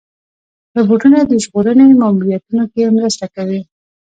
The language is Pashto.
روبوټونه د ژغورنې ماموریتونو کې مرسته کوي.